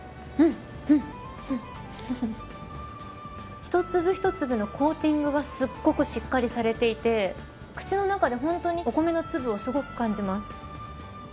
１粒１粒のコーティングがしっかりとされていて口の中で本当にお米の粒を感じます。